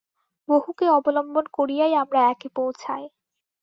বহুকে অবলম্বন করিয়াই আমরা একে পৌঁছাই।